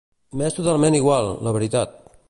M'és totalment igual, la veritat.